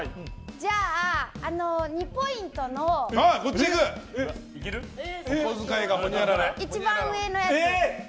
じゃあ、２ポイントの一番上のやつ。